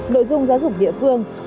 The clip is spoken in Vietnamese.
nội dung giáo dục địa phương